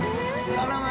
頼む！